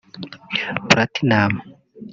Platinum